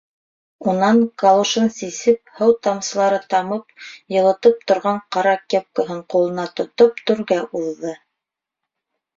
Унан калушын сисеп, һыу тамсылары тамып, йылтырап торған ҡара кепкаһын ҡулына тотоп түргә уҙҙы.